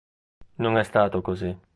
Non è stato così.